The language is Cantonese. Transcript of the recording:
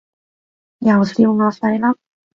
又笑我細粒